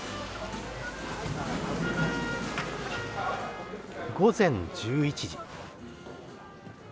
午前１１時。